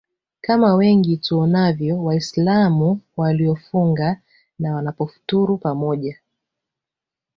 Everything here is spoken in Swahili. kama wengi tuonavyo waislamu waliofunga na wanapofuturu pamoja